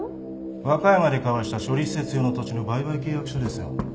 和歌山で交わした処理施設用の土地の売買契約書ですよ。